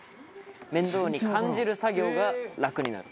面倒に感じる作業が楽になる。